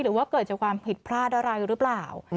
หรือว่าเกิดจากความผิดพลาดอะไรหรือเปล่า